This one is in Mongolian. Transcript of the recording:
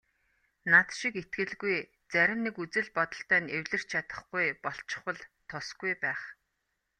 Над шиг итгэлгүй зарим нэг үзэл бодолтой нь эвлэрч чадахгүй болчихвол тусгүй байх.